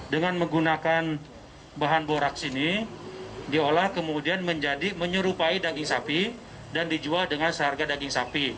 dengan menggunakan bahan boraks ini diolah kemudian menjadi menyerupai daging sapi dan dijual dengan seharga daging sapi